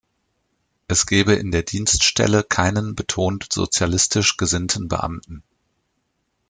Es gebe in der Dienststelle keinen betont sozialistisch gesinnten Beamten.